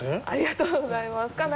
ありがとうございます。